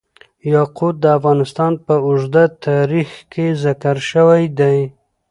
یاقوت د افغانستان په اوږده تاریخ کې ذکر شوی دی.